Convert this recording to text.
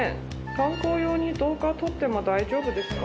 観光用に動画を撮っても大丈夫ですか？